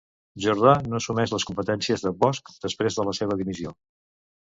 Jordà no assumeix les competències de Bosch després de la seva dimissió.